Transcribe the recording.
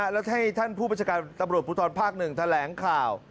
แล้วให้ผู้บริษักรรณ์ตำรวจผู้ทรภาคหนึ่งแถลงข่าว